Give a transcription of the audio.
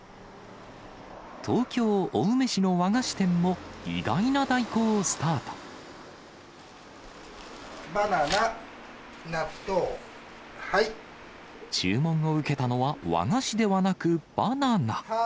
東京・青梅市の和菓子店も、バナナ、注文を受けたのは、和菓子ではなくバナナ。